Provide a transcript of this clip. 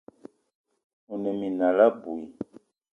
One minal abui.